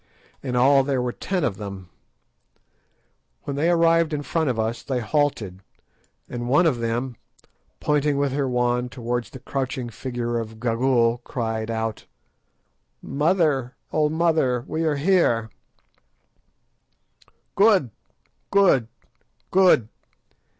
In all there were ten of them. When they arrived in front of us they halted, and one of them, pointing with her wand towards the crouching figure of Gagool, cried out— "Mother, old mother, we are here." "_Good! good! good!